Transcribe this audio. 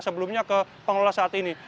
sebelumnya ke pengelola saat ini